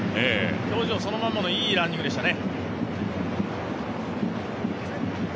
表情そのまんまのいいランニングでしたね。